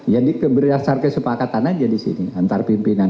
jadi berdasarkan kesepakatan saja disini antar pimpinan